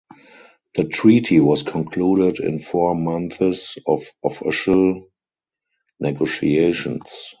The Treaty was concluded in four months of official negotiations.